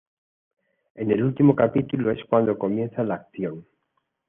En el último capítulo es cuando comienza la acción.